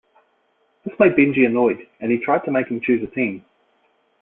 This made Benji annoyed, and he tried to make him choose a team.